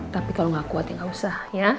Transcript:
tapi kalau nggak kuat ya nggak usah ya